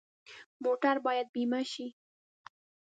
موټر باید بیمه شي.